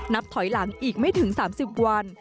นับถอยหลังอีกไม่ถึง๓๐วัน